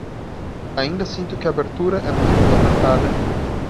Ainda sinto que a abertura é muito apertada